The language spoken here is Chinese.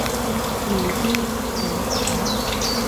努伊隆蓬。